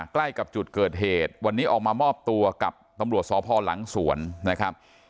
ใกล้กับจุดเกิดเหตุวันนี้ออกมามอบตัวกับตำรวจสพหลังสวนนะครับ